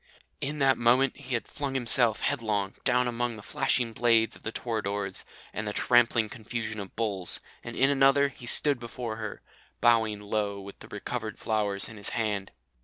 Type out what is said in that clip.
"In a moment he had flung himself headlong down among the flashing blades of the toreadors and the trampling confusion of bulls, and in another he stood before her, bowing low with the recovered flowers in his hand.